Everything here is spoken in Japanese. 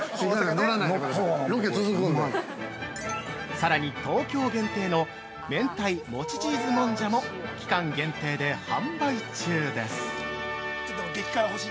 ◆さらに、東京限定の明太もちチーズもんじゃも期間限定で販売中です。